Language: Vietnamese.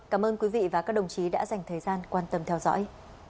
cảm ơn quý vị và các đồng chí đã dành thời gian quan tâm theo dõi